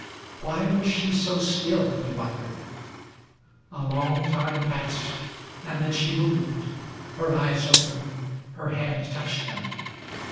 Why was she so still, he wondered? A long time passed, and then she moved. Her eyes opened. Her hand touched him.